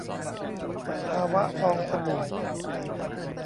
ภาวะฟองสบู่